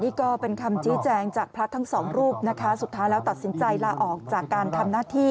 นี่ก็เป็นคำชี้แจงจากพระทั้งสองรูปนะคะสุดท้ายแล้วตัดสินใจลาออกจากการทำหน้าที่